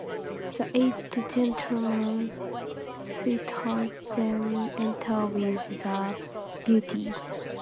The eight gentleman suitors then enter with The Beauty.